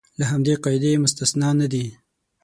له همدې قاعدې مستثنی نه دي.